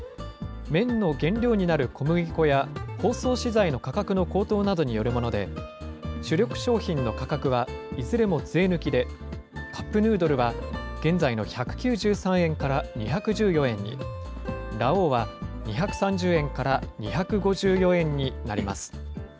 麺の原料になる小麦粉や、包装資材の価格の高騰などによるもので、主力商品の価格はいずれも税抜きで、カップヌードルは現在の１９３円から２１４円に、ラ王は２３０円から２５４円になります。